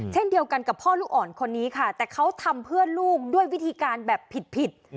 เช่นเดียวกันกับพ่อลูกอ่อนคนนี้ค่ะแต่เขาทำเพื่อลูกด้วยวิธีการแบบผิด